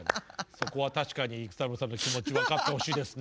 「そこは確かに育三郎さんの気持ち分かってほしいですね」